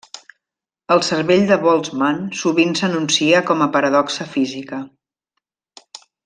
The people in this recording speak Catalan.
El cervell de Boltzmann sovint s'enuncia com a paradoxa física.